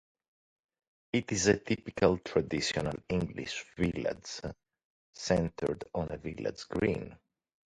It is a typical traditional English village, centred on a village green.